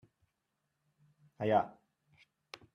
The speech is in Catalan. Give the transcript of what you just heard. Allà.